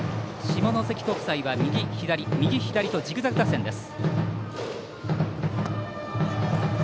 下関国際は右左、右左とジグザグ打線です。